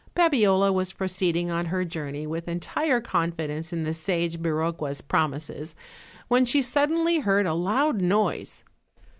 Babiola was proceeding on her journey with entire con fidence in the sage Biroqua's promises, when she sud denly heard a loud noise.